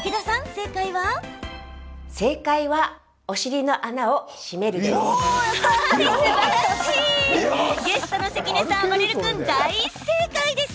正解は赤お尻の穴を締めるでした。